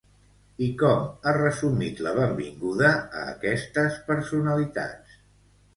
I com ha resumit la benvinguda a aquestes personalitats?